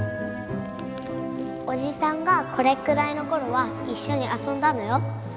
おじさんがこれっくらいの頃は一緒に遊んだのよ。